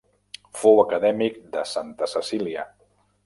Fou acadèmic de Santa Cecília.